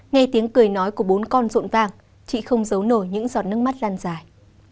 nghe tiếng cười nói của bốn con rộn vàng chị không giấu nổi những giọt nước mắt lan dài